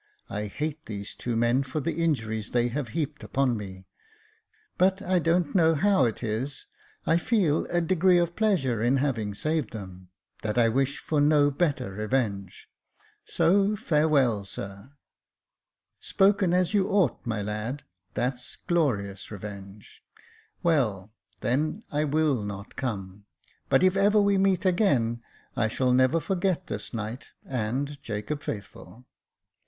I hate these two men for the injuries they have heaped on me ; but I don't know how it is, I feel a degree of pleasure in having saved them, that I wish for no better revenge. So farewell, sir." " Spoken as you ought, my lad — that's glorious revenge. Well, then, I will not come ; but if ever we meet again, I shall never forget this night and Jacob Faithful."